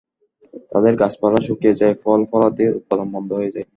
তাদের গাছপালা শুকিয়ে যায়, ফল-ফলাদি উৎপাদন বন্ধ হয়ে যায়।